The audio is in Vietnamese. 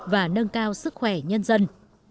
và nâng cao sức khỏe nhân dân